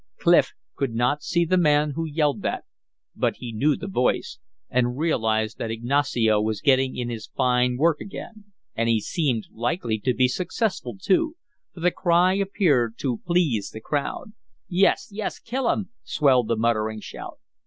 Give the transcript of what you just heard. Clif could not see the man who yelled that, but he knew the voice, and realized that Ignacio was getting in his fine work again. And he seemed likely to be successful, too, for the cry appeared to please the crowd. "Yes, yes, kill 'em!" swelled the muttering shout.